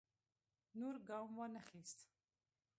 نور ګام وانه خیست.